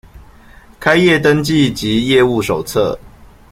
開業登記及業務手冊